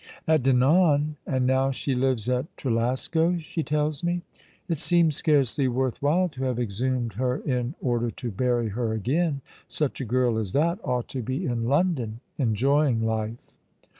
At Dinan — and now she lives at Trelasco, she tells me. It seems scarcely worth while to have exhumed her in order to bury her again. Such a girl as that ought to be in London enjoying life."